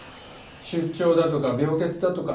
出張だとか病欠だとか。